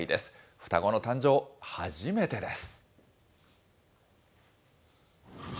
双子の誕生、初めてです。